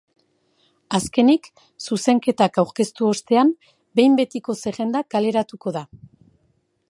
Azkenik, zuzenketak aurkeztu ostean, behin betiko zerrenda kaleratuko da.